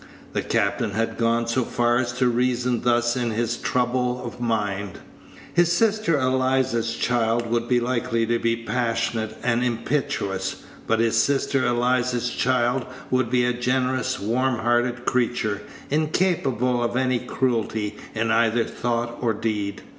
The captain had gone so far as to reason thus in his trouble of mind. His sister Eliza's child would be likely to be passionate and impetuous, but his sister Eliza's child would be a generous, warm hearted creature, incapable of any cruelty in either thought or deed.